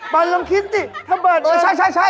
ปัดลำคิดสิถ้าเบิร์ดใช่